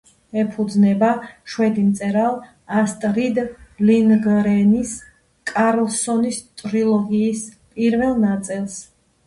ეფუძნება შვედი მწერალ ასტრიდ ლინდგრენის კარლსონის ტრილოგიის პირველ ნაწილს.